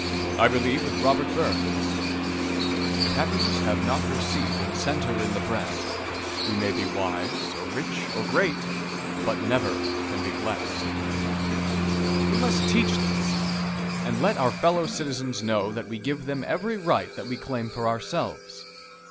I believe with Robert Burns: "If happiness have not her seat And center in the breast, We may be wise, or rich, or great, But never can be blest." We must teach this, and let our fellow citizens know that we give them every right that we claim for ourselves.